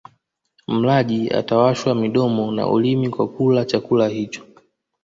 Mlaji atawashwa midomo na ulimi kwa kula chakula hicho